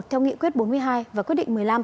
theo nghị quyết bốn mươi hai và quyết định một mươi năm